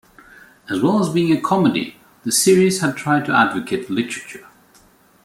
As well as being a comedy, the series had tried to advocate literature.